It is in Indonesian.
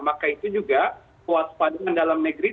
maka itu juga kewaspadaan dalam negeri